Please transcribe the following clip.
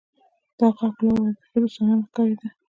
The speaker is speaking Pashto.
دا غږ لوړ و او بیخي دوستانه نه ښکاریده